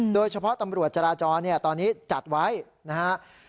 โดยเฉพาะตำรวจจราจรเนี่ยตอนนี้จัดไว้นะฮะ